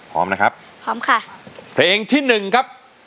พร้อมนะครับพร้อมค่ะเพลงที่หนึ่งครับ